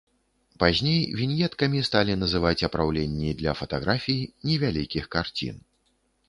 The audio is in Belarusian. Пазней віньеткамі сталі называць апраўленні для фатаграфій, невялікіх карцін.